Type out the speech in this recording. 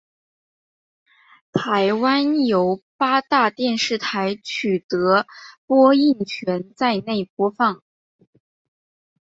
台湾由八大电视台取得播映权在内播放。